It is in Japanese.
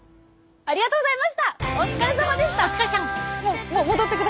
ありがとうございます。